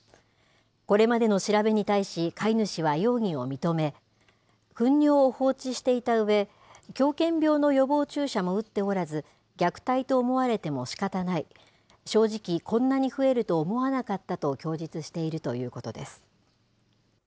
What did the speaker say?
これまでの調べに対し飼い主は容疑を認め、ふん尿を放置していたうえ、狂犬病の予防注射も打っておらず、虐待と思われてもしかたない、正直、こんなに増えると思わなかったと供述しているということです。